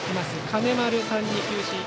金丸さん、球審。